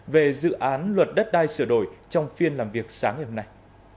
về dự án luật đất đai sửa đổi trong phiên làm việc sáng ngày hôm nay